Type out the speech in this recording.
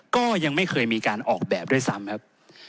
ก็ยังไม่เคยมีการออกแบบด้วยซ้ำครับ